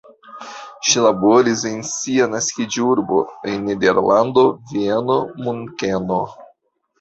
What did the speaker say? Ŝi laboris en sia naskiĝurbo, en Nederlando, Vieno, Munkeno.